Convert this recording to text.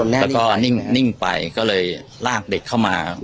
แล้วก็นิ่งไปก็เลยลากเด็กเข้ามา